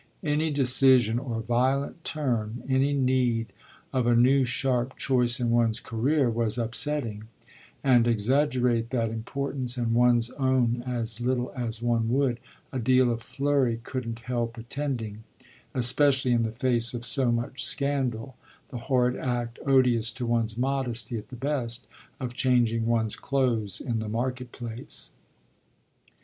Any decision or violent turn, any need of a new sharp choice in one's career, was upsetting, and, exaggerate that importance and one's own as little as one would, a deal of flurry couldn't help attending, especially in the face of so much scandal, the horrid act, odious to one's modesty at the best, of changing one's clothes in the marketplace.